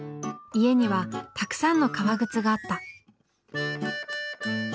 家にはたくさんの革靴があった。